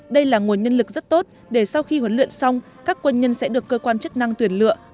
đây là nguồn nhân lực rất tốt để sau khi huấn luyện xong các quân nhân sẽ được cơ quan chức năng tuyển lựa